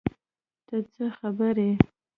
ته څه خبر یې ؟